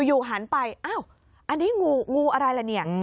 อยู่หันไปอ้าวอันนี้งูงูอะไรล่ะเนี่ย